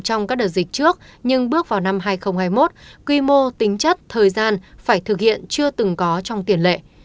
trong các đợt dịch trước nhưng bước vào năm hai nghìn hai mươi một quy mô tính chất thời gian phải thực hiện chưa từng có trong tiền lệ